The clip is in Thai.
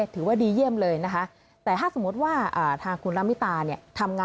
ส่วนความรักล่ะคะ